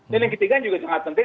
dan yang ketiga juga sangat penting